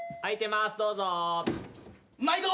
まいど。